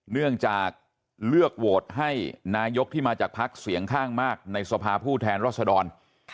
เนื่องจากเลือกโหวตให้นายกที่มาจากพักเสียงข้างมากในสภาผู้แทนรัศดร